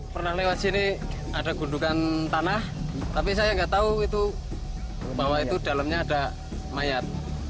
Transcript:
pernah lewat sini ada gundukan tanah tapi saya nggak tahu itu bahwa itu dalamnya ada mayat